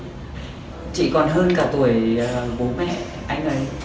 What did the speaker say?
bởi vì là chị còn hơn cả tuổi bố mẹ anh ấy